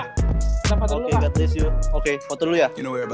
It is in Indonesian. kita foto dulu kak kita foto dulu kak oke foto dulu ya